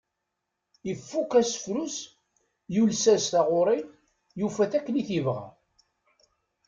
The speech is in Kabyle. Ifukk asefru-s, yules-as taɣuri, yufa-t akken i t-yebɣa.